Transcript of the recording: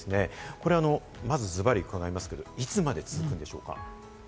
これズバリ伺いますけど、いつまで続くんでしょうか？